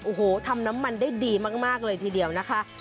โอ้โหทำน้ำมันได้ดีมากเลยทีเดียวนะคะ